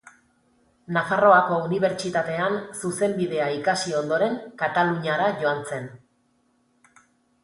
Nafarroako Unibertsitatean zuzenbidea ikasi ondoren, Kataluniara joan zen.